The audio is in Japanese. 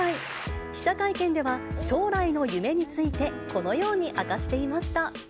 記者会見では、将来の夢について、このように明かしていました。